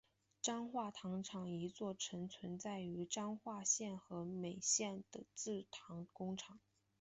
彰化糖厂一座曾存在于彰化县和美镇的制糖工厂。